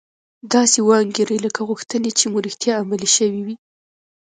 داسې و انګیرئ لکه غوښتنې چې مو رښتیا عملي شوې وي